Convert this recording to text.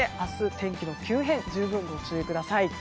天気の急変十分、ご注意ください。